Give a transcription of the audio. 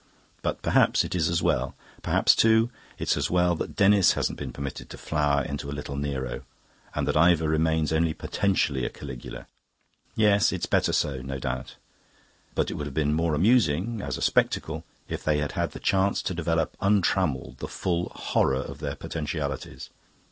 But perhaps it is as well. Perhaps, too, it's as well that Denis hasn't been permitted to flower into a little Nero, and that Ivor remains only potentially a Caligula. Yes, it's better so, no doubt. But it would have been more amusing, as a spectacle, if they had had the chance to develop, untrammelled, the full horror of their potentialities.